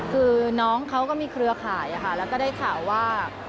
คือน้องเขาก็มีเครือข่ายแล้วก็ได้ข่าวว่า